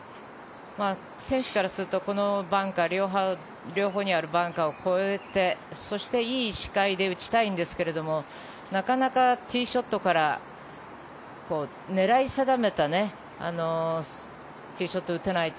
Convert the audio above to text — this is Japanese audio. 選手からするとこのバンカー両方にあるバンカーを越えてそして、いい視界で打ちたいんですがなかなかティーショットから狙い定めたティーショットを打てないと